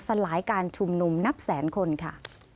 สลายการชุมนุมนับแสนคนค่ะ